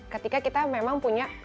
ketika kita memang punya koleksi produk